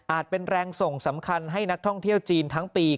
เป็นแรงส่งสำคัญให้นักท่องเที่ยวจีนทั้งปี